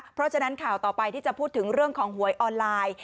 เพราะฉะนั้นข่าวต่อไปที่จะพูดถึงเรื่องของหวยออนไลน์